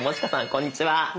こんにちは。